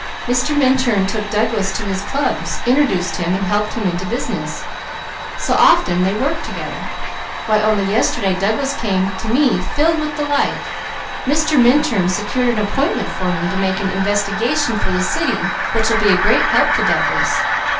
Mr. Minturn took Douglas to his clubs, introduced him and helped him into business, so often they work together. Why only yesterday Douglas came to me filled with delight. Mr. Minturn secured an appointment for him to make an investigation for the city which will be a great help to Douglas.